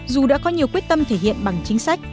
dù đã có nhiều quyết tâm thể hiện bằng chính sách